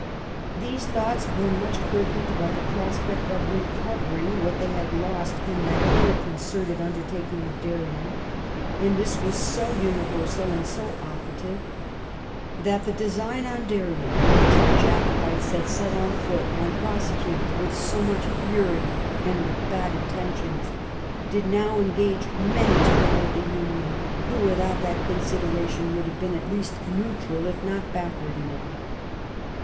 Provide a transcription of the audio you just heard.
These thoughts were much quickened by the prospect of recovering what they had lost in that ill concerted undertaking of Darien ; and this was so universal and 60 operative, that the design on Darien, which the Jacobites had set on foot, and prosecuted with so much fury, and with bad intentions, did now engage many to promote the Union, who, without that consideration, would have been at least neutral, if not backward in it."